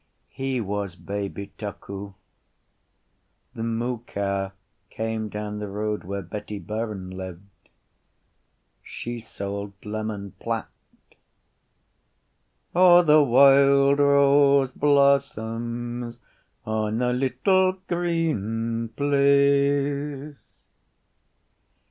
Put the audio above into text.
He was baby tuckoo. The moocow came down the road where Betty Byrne lived: she sold lemon platt. O, the wild rose blossoms On the little green place.